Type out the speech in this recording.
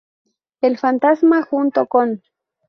El fantasma, junto con.